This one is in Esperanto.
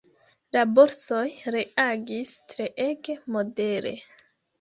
La borsoj reagis treege modere.